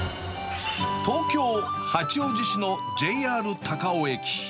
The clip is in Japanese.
東京・八王子市のＪＲ高尾駅。